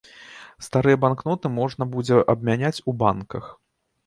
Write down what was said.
Старыя банкноты можна будзе абмяняць у банках.